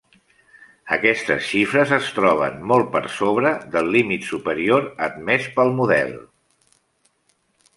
Aquestes xifres es troben molt per sobre del límit superior admès pel model.